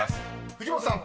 ［藤本さん